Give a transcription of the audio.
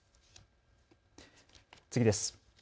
次です。